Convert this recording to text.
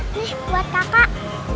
nih buat kakak